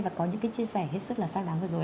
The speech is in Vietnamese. và có những cái chia sẻ hết sức là sai đáng vừa rồi